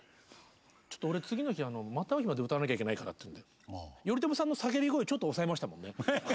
ちょっと俺次の日「また逢う日まで」を歌わなきゃいけないからというので頼朝さんの叫び声をちょっと抑えましたもんね。